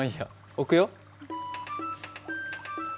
置くよ。